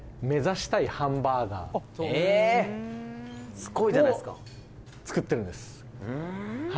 すごいじゃないですかを作ってるんですうん